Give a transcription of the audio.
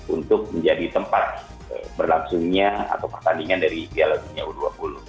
untuk menjadi tempat berlangsungnya atau pertandingan dari piala dunia u dua puluh